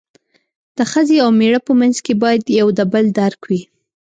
د ښځې او مېړه په منځ کې باید یو د بل درک وي.